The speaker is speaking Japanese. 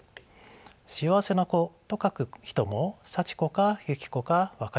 「幸せな子」と書く人も「さちこ」か「ゆきこ」か分かりません。